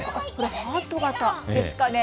ハート形ですかね。